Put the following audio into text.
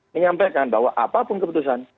menyampaikan bahwa apapun keputusan